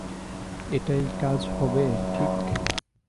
এটায় কাজ হবে, ঠিক?